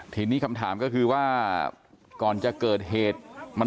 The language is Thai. ทีนี้คำถามก็คือว่าก่อนจะเกิดเหตุ